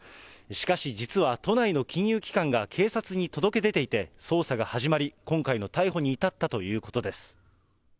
しかし、実は都内の金融機関が警察に届け出ていて、捜査が始まり、今回の逮捕に至ったということです。